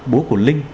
bố của linh